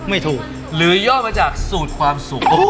ไม่ถูกหรือยอดมาจากสูตรความสุข